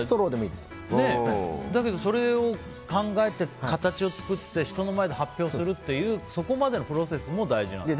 だけど、それを考えて、形を作って人の前で発表するというそこまでのプロセスも大事なんですね。